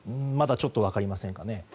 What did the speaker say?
まだちょっと分かりませんがね。